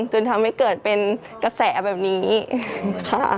จนทำให้เกิดเป็นกระแสแบบนี้ค่ะ